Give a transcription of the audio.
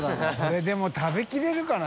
海でも食べきれるかな？